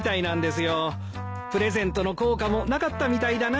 プレゼントの効果もなかったみたいだな。